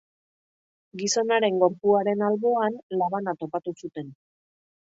Gizonaren gorpuaren alboan labana topatu zuten.